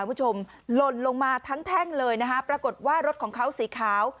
หล่นลงมาทั้งแท่งเลยนะคะปรากฏว่ารถของเขาสีขาว